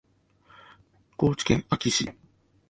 高知県安芸市